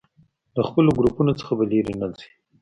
له خپلو ګروپونو نه به لرې نه ځئ.